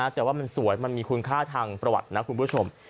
แต่ว่ามันสวยมันมีคุณค่าทางประวัตินะคุณผู้ชม